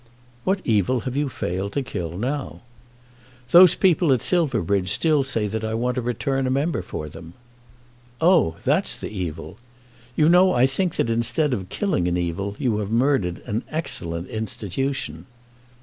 "What evil have you failed to kill now?" "Those people at Silverbridge still say that I want to return a member for them." "Oh; that's the evil! You know I think that instead of killing an evil, you have murdered an excellent institution."